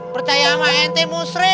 percaya sama ente musrik